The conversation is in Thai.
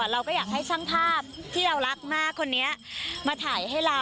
เราก็อยากให้ช่างภาพที่เรารักมากคนนี้มาถ่ายให้เรา